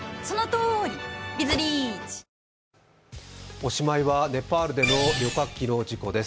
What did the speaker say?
おしまいはネパールでの旅客機の事故です。